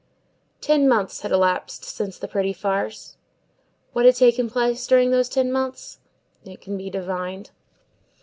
Ten months had elapsed since the "pretty farce." What had taken place during those ten months? It can be divined.